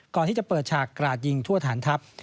ก่อนที่จะเปิดฉากกราดยิงทั่วฐานทัพ